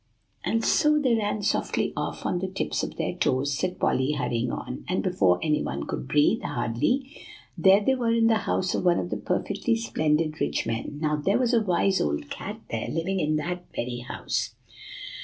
"And so they ran softly off on the tips of their toes," said Polly, hurrying on; "and before any one could breathe, hardly, there they were in the house of one of the perfectly splendid rich men. Now, there was a wise old cat there, living in that very house.